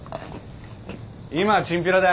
今はチンピラだよ。